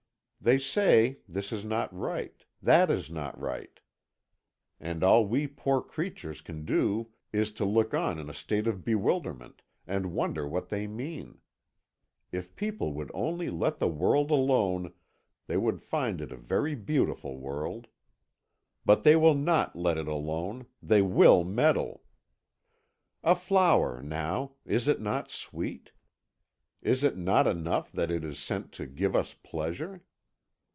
They say, this is not right, that is not right. And all we poor creatures can do is to look on in a state of bewilderment, and wonder what they mean. If people would only let the world alone, they would find it a very beautiful world. But they will not let it alone; they will meddle. A flower, now is it not sweet is it not enough that it is sent to give us pleasure?